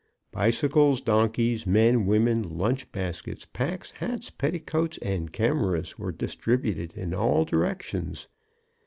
Bicycles, donkeys, men, women, lunch baskets, packs, hats, petticoats and cameras were distributed in all directions.